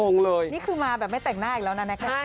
นี่คือมาแบบไม่แต่งหน้าอีกแล้วนะนะคะ